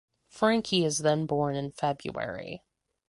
Frankie is then born in February.